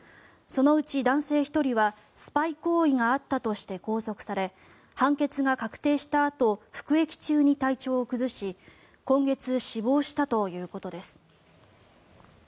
そのうち、男性１人はスパイ行為があったとして拘束され判決が確定したあと服役中に体調を崩し今月、死亡したということです。